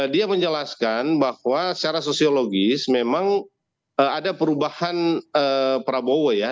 dia menjelaskan bahwa secara sosiologis memang ada perubahan prabowo ya